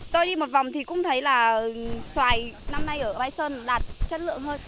tôi đi một vòng thì cũng thấy là xoài năm nay ở mai sơn đạt chất lượng hơn